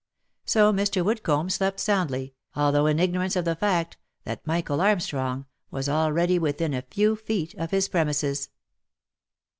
So Mr. Woodcomb slept soundly, although in ignorance of the fact that Michael Armstrong was already within a few feet of his premises.